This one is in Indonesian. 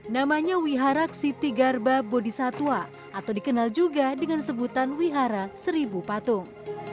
namanya wihara ksitigarbha bodhisattva atau dikenal juga dengan sebutan wihara seribu patung